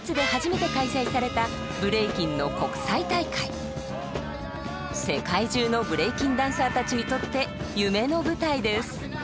世界中のブレイキンダンサーたちにとって夢の舞台です。